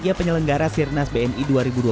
sejak penyelenggara sirnas bni dua ribu dua puluh tiga